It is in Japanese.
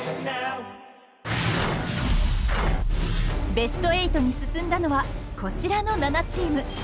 ベスト８に進んだのはこちらの７チーム。